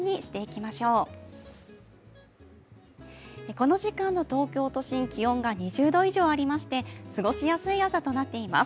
この時間の東京都心、気温が２０度以上ありまして過ごしやすい朝となっています